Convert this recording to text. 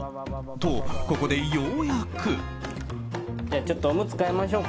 と、ここでようやく。